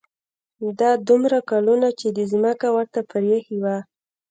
دا دومره کلونه چې دې ځمکه ورته پرېښې وه.